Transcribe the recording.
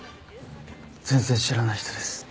全然知らない人です。